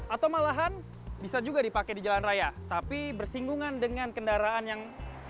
atau malahan bisa juga dipakai di jalan raya tapi bersinggungan dengan kendaraan yang